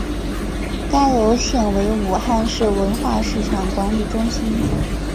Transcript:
该楼现为武汉市文化市场管理中心。